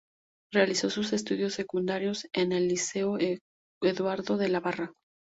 Realizó sus estudios secundarios en el Liceo Eduardo de la Barra.